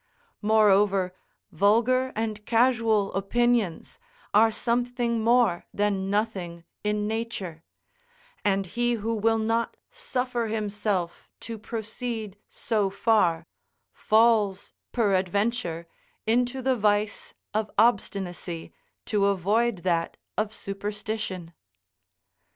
Moreover, vulgar and casual opinions are something more than nothing in nature; and he who will not suffer himself to proceed so far, falls, peradventure, into the vice of obstinacy, to avoid that of superstition.